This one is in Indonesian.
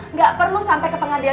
nggak perlu sampai ke pengadilan